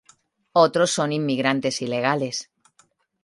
Otros son inmigrantes ilegales.